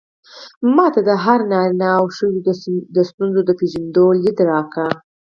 ما ته د هر نارينه او ښځې د ستونزو د پېژندو ليد راکړ.